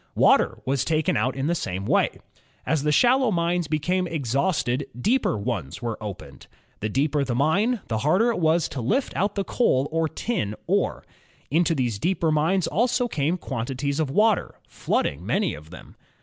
Water was taken out in the same way. As the shallow mines be came exhausted, deeper ones were opened. The deeper the mine, the harder it was to lift out the coal or tin ore. Into these deeper mines also came quantities of water, flooding many of them.